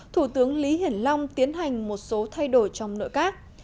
thủ tướng lý hiển long tiến hành một số thay đổi trong nội các